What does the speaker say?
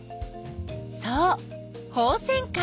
そうホウセンカ。